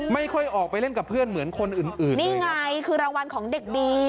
ไม่ค่อยออกไปเล่นกับเพื่อนเหมือนคนอื่นอื่นนี่ไงคือรางวัลของเด็กดี